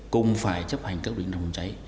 cũng phải chấp hành các quyết định phòng cháy